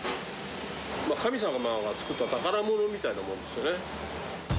神様が作った宝物みたいなもんですね。